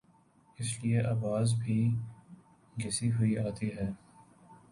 اس لئے آواز بھی گھسی ہوئی آتی ہے۔